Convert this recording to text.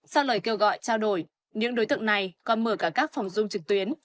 sau lời kêu gọi trao đổi những đối tượng này còn mở cả các phòng dung trực tuyến